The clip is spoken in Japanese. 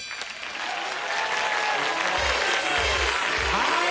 はい。